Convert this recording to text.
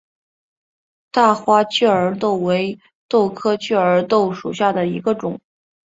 大花雀儿豆为豆科雀儿豆属下的一个种。